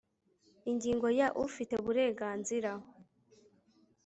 ingingo ya ufite burenganzira